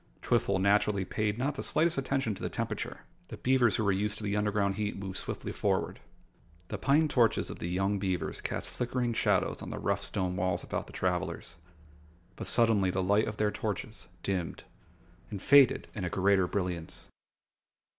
Twiffle naturally paid not the slightest attention to the temperature. The beavers who were used to underground heat moved swiftly forward. The pine torches of the young beavers cast flickering shadows on the rough stone walls about the travelers. But suddenly the light of the torches dimmed and faded in a greater brilliance.